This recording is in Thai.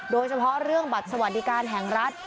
โดยเฉพาะเรื่องบัตรสวัสดิการแห่งรัฐ